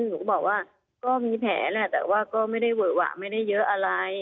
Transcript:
หนูก็บอกว่าก็มีแผลแหละแต่ว่าก็ไม่ได้เวอะหวะไม่ได้เยอะอะไร